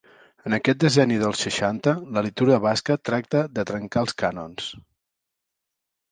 En aquest decenni dels seixanta la literatura basca tractà de trencar els cànons.